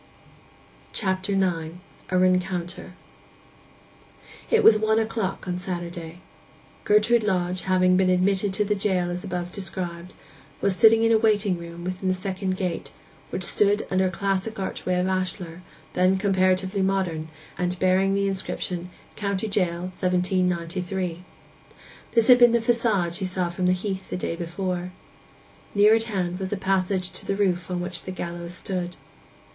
CHAPTER IX—A RENCOUNTER It was one o'clock on Saturday. Gertrude Lodge, having been admitted to the jail as above described, was sitting in a waiting room within the second gate, which stood under a classic archway of ashlar, then comparatively modern, and bearing the inscription, 'COVNTY JAIL: 1793.' This had been the façade she saw from the heath the day before. Near at hand was a passage to the roof on which the gallows stood.